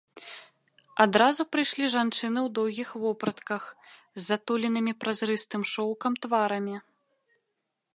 Адразу прыйшлі жанчыны ў доўгіх вопратках, з затуленымі празрыстым шоўкам тварамі.